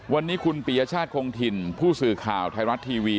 วันนี้คุณปียชาติคงถิ่นผู้สื่อข่าวไทยรัฐทีวี